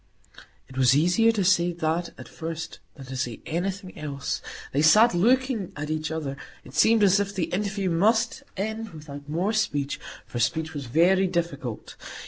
It was easier to say that at first than to say anything else. They sat looking at each other. It seemed as if the interview must end without more speech, for speech was very difficult.